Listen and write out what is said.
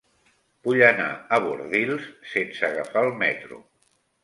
Vull anar a Bordils sense agafar el metro.